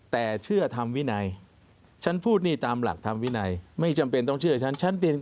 แต่เชื่อทำวินัยฉันพูดนี่ตามหลักธรรมวินัยไม่จำเป็นต้องเชื่อฉันฉันเป็น